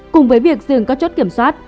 cùng với việc dừng các chốt kiểm soát